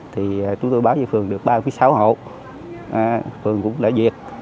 thì chúng tôi báo cho phường được ba mươi sáu hộ phường cũng đã duyệt